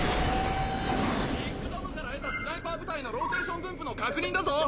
リック・ドムから得たスナイパー部隊のローテーション分布の確認だぞ。